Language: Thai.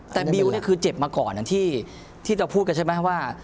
แต่บิวเนี่ยคือเจ็บมาก่อนที่จะพูดกันใช่ไหมว่า